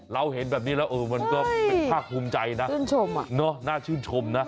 เราเห็นแบบนี้แล้วมันก็ค่าคุ้มใจนะน่าชื่นชม